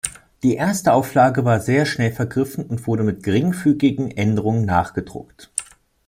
Die erste Auflage war sehr schnell vergriffen und wurde mit geringfügigen Änderungen nachgedruckt.